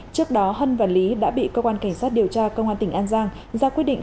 trước đó hân và lý đã bị cơ quan cảnh sát điều tra công an tỉnh an giang ra quyết định